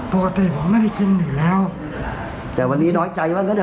ปกติผมไม่ได้กินอยู่แล้วแต่วันนี้น้อยใจว่าแล้วเนี่ย